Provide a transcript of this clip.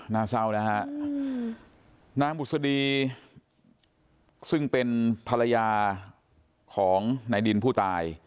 หน้าเศร้านะฮะนางบุษดีซึ่งเป็นภรรยาของนายดินผู้ตาย